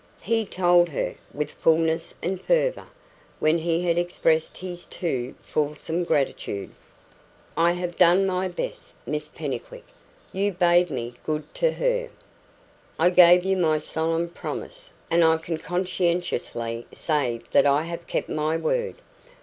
He told her, with fullness and fervour, when he had expressed his too fulsome gratitude. "I have done my best, Miss Pennycuick. You bade me be good to her; I gave you my solemn promise and I can conscientiously say that I have kept my word."